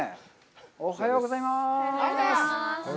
おはようございます。